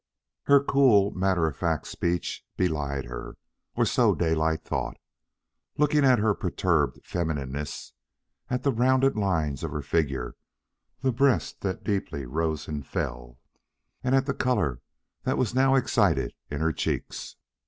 Her cool, matter of fact speech belied her or so Daylight thought, looking at her perturbed feminineness, at the rounded lines of her figure, the breast that deeply rose and fell, and at the color that was now excited in her cheeks.